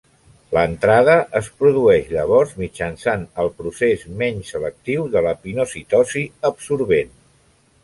L'entrada es produeix llavors mitjançant el procés menys selectiu de la pinocitosi absorbent.